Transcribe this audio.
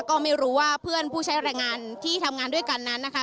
ก็ไม่รู้ว่าเพื่อนผู้ใช้แรงงานที่ทำงานด้วยกันนั้นนะคะ